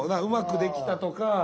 うまくできたとか。